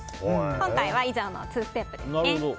今回は以上の２ステップですね。